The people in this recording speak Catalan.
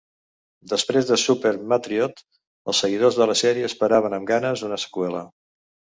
Després de "Super Metroid", els seguidors de la sèrie esperaven amb ganes una seqüela.